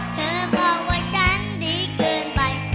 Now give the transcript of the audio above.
เธอบอกว่าฉันดีเกินไป